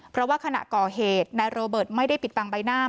เพราะว่าขณะก่อเหตุนายโรเบิร์ตไม่ได้ปิดบังใบหน้า